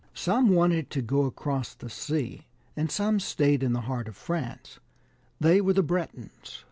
Some wanted to go across the sea, and some stayed in the heart of France : they were the Bretoons.